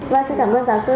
và xin cảm ơn giáo sư